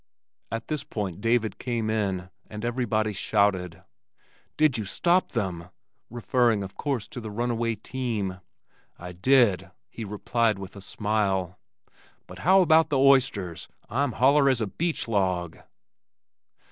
At this point David came in, and everybody shouted, "Did you stop them?" referring of course to the runaway team. "I did," he replied with a smile. "But how about the oysters. I'm holler as a beech log."